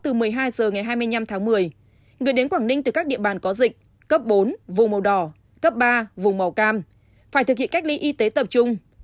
từ một mươi hai h ngày hai mươi năm tháng một mươi người đến quảng ninh từ các địa bàn có dịch cấp bốn vùng màu đỏ cấp ba vùng màu cam phải thực hiện cách ly y tế tập trung